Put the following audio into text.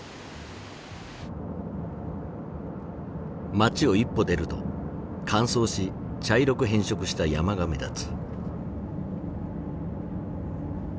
街を一歩出ると乾燥し茶色く変色した山が目立つ。